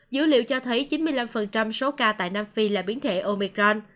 dữ liệu cho thấy chín mươi năm số ca tại nam phi là biến thể omecran